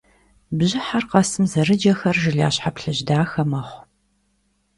Бжьыхьэр къэсым зэрыджэхэр жылащхьэ плъыжь дахэ мэхъу.